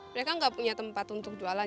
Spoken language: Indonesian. mereka nggak punya tempat untuk jualan